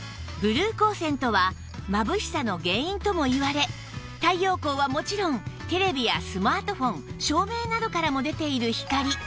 ブルー光線とはまぶしさの原因ともいわれ太陽光はもちろんテレビやスマートフォン照明などからも出ている光